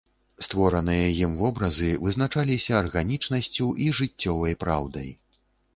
Створаныя ім вобразы вызначаліся арганічнасцю і жыццёвай праўдай.